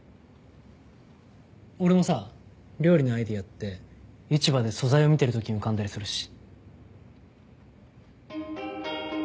俺もさ料理のアイデアって市場で素材を見てるときに浮かんだりするし。